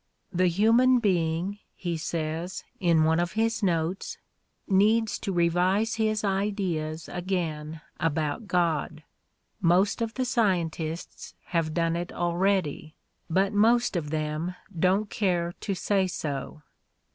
"The human being," he says, in one of his notes, "needs to revise his ideas again about God. Most of the scien tists have done it already, but most of them don't care to say so."